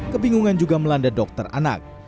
kebingungan juga melanda dokter anak